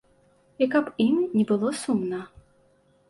І каб ім не было сумна.